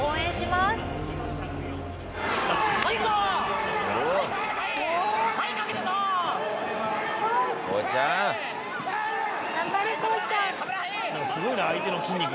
すごいな相手の筋肉も。